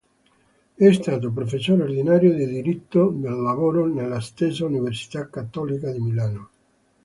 È stato professore ordinario di Diritto del lavoro nella stessa Università Cattolica di Milano.